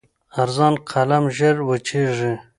ارزان قلم ژر وچېږي.